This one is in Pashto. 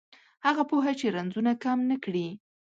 هغه پوهه چې رنځونه کم نه کړي